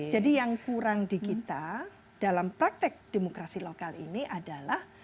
jadi yang kurang di kita dalam praktek demokrasi lokal ini adalah